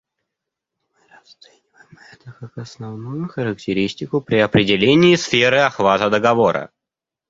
Мы расцениваем это как основную характеристику при определении сферы охвата договора.